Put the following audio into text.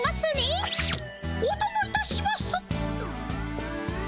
おともいたします。